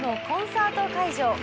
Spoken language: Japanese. コンサート会場